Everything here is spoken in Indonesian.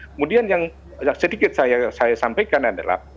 kemudian yang sedikit saya sampaikan adalah